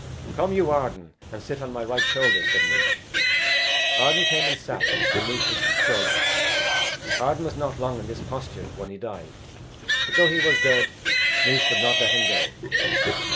"Come you, Arden, and sit on my right shoulder," said Naois. Arden came and sat on Naois's shoulder. Arden was not long in this posture when he died; but though he was dead Naois would not let him go.